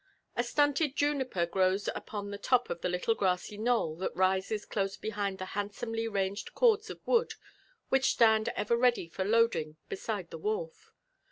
A stunted juniper grows upon the top of a little grassy knoll that rises close behind the handsomely ranged cords of wood which stand ever ready for loading beside the wharf.